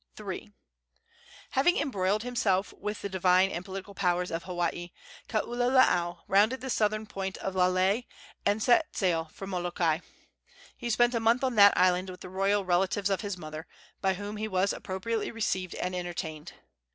III. Having embroiled himself with the divine and political powers of Hawaii, Kaululaau rounded the southern point of La Lae and set sail for Molokai. He spent a month on that island with the royal relatives of his mother, by whom he was appropriately received and entertained.